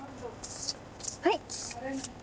はい！